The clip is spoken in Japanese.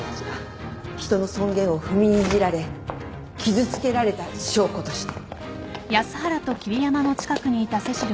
人の尊厳を踏みにじられ傷つけられた証拠として。